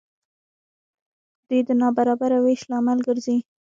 دوی د نابرابره وېش لامل ګرځي.